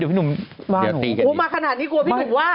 รู้มาขนาดนี้กลัวว่าพี่หนุ่มว่า